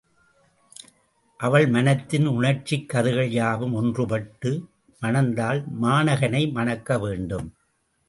அவள் மனத்தின் உணர்ச்சிக் கதிர்கள் யாவும் ஒன்றுபட்டு, மணந்தால், மாணகனை மணக்க வேண்டும்.